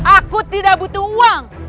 aku tidak butuh uang